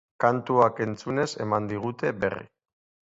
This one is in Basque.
Kantuak entzunez eman digute berri.